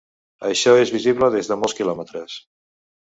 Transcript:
Això és visible des de molts quilòmetres.